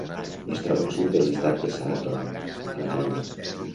Es troba al sud de l'estat de Saarland, Alemanya.